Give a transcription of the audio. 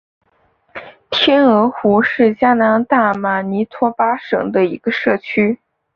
天鹅河是加拿大马尼托巴省的一个社区。